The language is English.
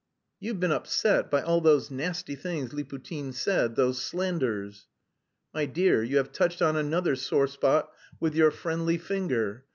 "You've been upset by all those nasty things Liputin said, those slanders." "My dear, you have touched on another sore spot with your friendly finger.